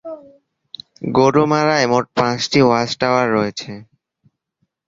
গোরুমারায় মোট পাঁচটি ওয়াচ-টাওয়ার রয়েছে।